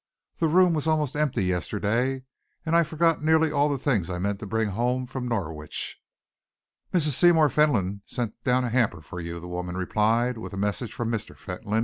"The room was almost empty yesterday, and I forgot nearly all the things I meant to bring home from Norwich." "Mrs. Seymour Fentolin sent down a hamper for you," the woman replied, "with a message from Mr. Fentolin.